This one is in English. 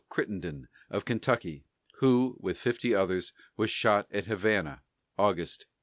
Crittenden, of Kentucky, who, with fifty others, was shot at Havana, August 16.